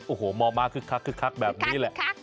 โอ้โหมอม้าคึกคักแบบนี้แหละ